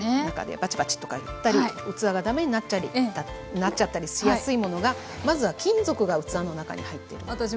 中でバチバチとかいったり器が駄目になっちゃったりしやすいものがまずは金属が器の中に入っているもの。